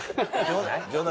冗談！